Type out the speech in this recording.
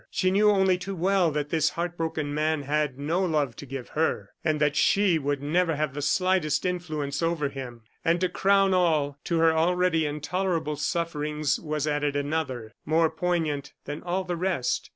She knew only too well that this heart broken man had no love to give her, and that she would never have the slightest influence over him. And to crown all, to her already intolerable sufferings was added another, more poignant than all the rest.